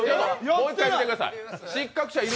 もう一回見てください。